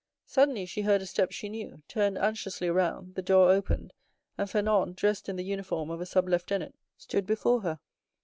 Suddenly she heard a step she knew, turned anxiously around, the door opened, and Fernand, dressed in the uniform of a sub lieutenant, stood before her.